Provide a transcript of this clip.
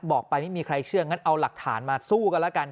บอกไปไม่มีใครเชื่องั้นเอาหลักฐานมาสู้กันแล้วกัน